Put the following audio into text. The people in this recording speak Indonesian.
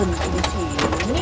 aduh kok berhenti di sini